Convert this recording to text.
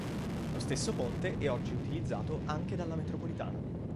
Lo stesso ponte è oggi utilizzato anche dalla metropolitana.